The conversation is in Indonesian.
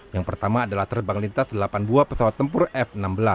yang pertama adalah terbang lintas delapan buah pesawat tempur f enam belas